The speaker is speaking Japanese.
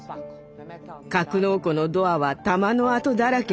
格納庫のドアは弾の痕だらけでした。